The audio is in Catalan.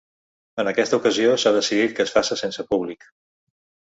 En aquesta ocasió, s’ha decidit que es faça sense públic.